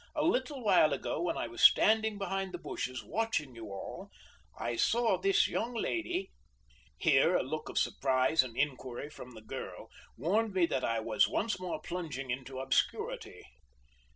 A little while ago when I was standing behind the bushes watching you all, I saw this young lady " Here a look of surprise and inquiry from the girl warned me that I was once more plunging into obscurity.